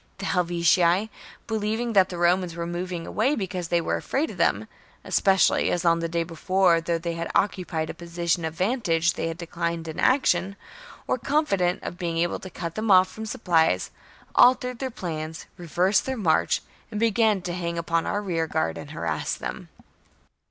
The Helvetii, believing that the Romans were moving away because they were afraid of them (especially as on the day before, though they had occupied a position of vantage, they had declined an action), or confident of being able to cut them off from supplies, altered their plans, reversed their march, and began to hang upon our rearguard and harass them.